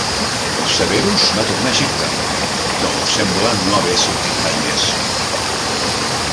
Severus va tornar a Egipte, d'on sembla no haver sortit mai més.